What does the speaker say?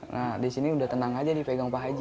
nah di sini udah tenang aja dipegang pak haji